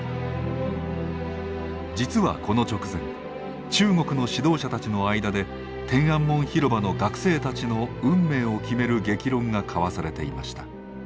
実はこの直前中国の指導者たちの間で天安門広場の学生たちの運命を決める激論が交わされていました。